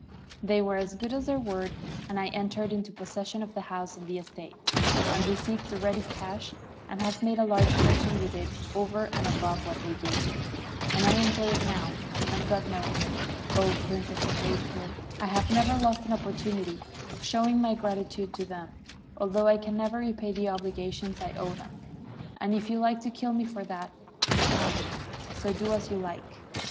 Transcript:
They were as good as their word, and I entered into possession of the house and the estate, and re ceived the ready cash, and have made a large fortune with it over and above what they gave me, and I enjoy it now; and, God knows, 0 Prince of the Faithful, I have never lost an opportunity of showing my gratitude to them, although I can never repay the obligations I owe them; and if you like to kill me for that, you can; so do as you like!